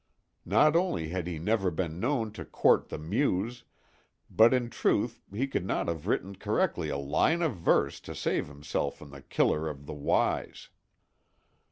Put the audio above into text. Not only had he never been known to court the muse, but in truth he could not have written correctly a line of verse to save himself from the Killer of the Wise.